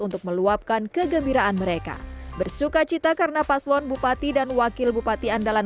untuk meluapkan kegembiraan mereka bersuka cita karena paslon bupati dan wakil bupati andalan